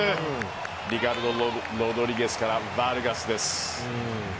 リカルド・ロドリゲスからヴァルガスです。